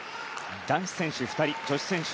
男子選手２人、女子選手